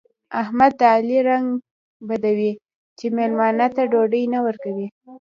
احمد د علي رنګ بدوي چې مېلمانه ته ډوډۍ نه ورکوي.